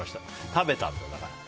食べたんだ、だから。